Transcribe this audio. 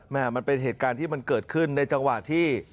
มันเป็นเหตุการณ์ที่มันเกิดขึ้นในจังหวะที่